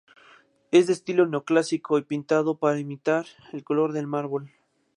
Es de estilo neoclásico, pintado para imitar el color del mármol.